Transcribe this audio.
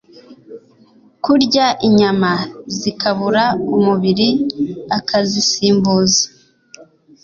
kurya inyama zikabura umubiri akazisimbuza